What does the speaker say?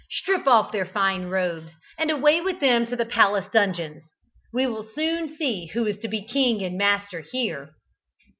Strip off their fine robes, and away with them to the palace dungeons! We will soon see who is to be king and master here!"